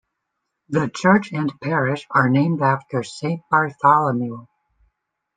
The church and parish are named after Saint Bartholomew.